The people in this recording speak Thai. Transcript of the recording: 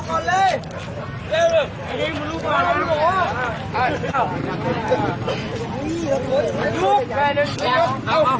ก็ไม่มีอัศวินทรีย์ขึ้นมา